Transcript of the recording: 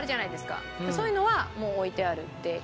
そういうのはもう置いてあるっていう事かな。